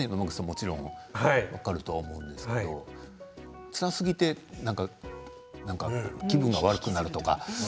もちろん分かると思うんですけれどつらすぎて、なんか気分が悪くなるとか。